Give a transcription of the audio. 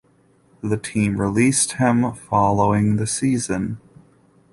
The team released him following the season.